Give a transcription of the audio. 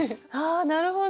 なるほど。